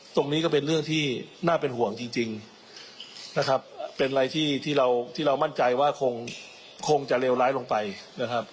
ตรงนี้ก็เป็นเรื่องที่น่าเป็นห่วงจริงนะครับเป็นอะไรที่เราที่เรามั่นใจว่าคงจะเลวร้ายลงไปนะครับ